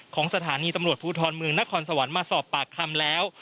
ของสถานีตำรวจภูทรเมืองนครสวรรค์มาสอบปากคำแล้ว